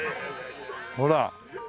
ほら。